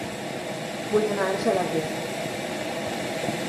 Vull anar a Argelaguer